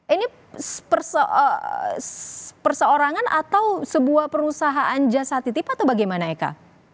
ini perseorangan atau sebuah perusahaan jasa titip atau bagaimana eka